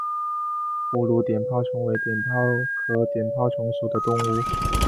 葫芦碘泡虫为碘泡科碘泡虫属的动物。